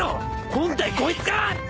本体こいつか！？